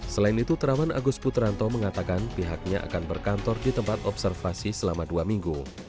selain itu teraman agus putranto mengatakan pihaknya akan berkantor di tempat observasi selama dua minggu